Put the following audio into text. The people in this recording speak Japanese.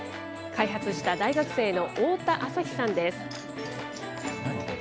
開発した大学生の太田旭さんです。